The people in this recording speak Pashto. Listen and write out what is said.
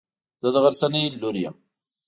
زه د غرڅنۍ لور يم.